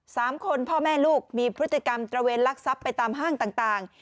สามคนพ่อแม่ลูกมีพฤติกรรมตระเวนลักทรัพย์ไปตามห้างต่างต่าง